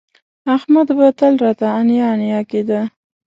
احمد به تل راته انیا انیا کېده